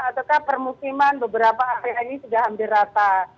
ataukah permukiman beberapa area ini sudah hampir rata